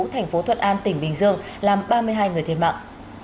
thành phố thuận an tỉnh bình dương làm ba mươi hai người thiệt mạng